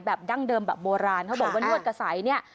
ดั้งเดิมแบบโบราณเขาบอกว่านวดกระใสเนี่ย